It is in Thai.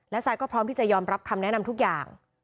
ซายก็พร้อมที่จะยอมรับคำแนะนำทุกอย่าง